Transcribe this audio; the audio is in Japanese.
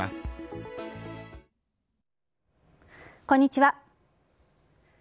こんにちは。